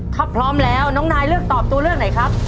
ถ้าพร้อมแล้วน้องนายเลือกตอบตัวเลือกไหนครับ